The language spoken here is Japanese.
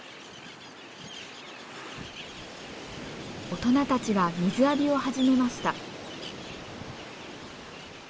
大人たちが水浴びを始めました。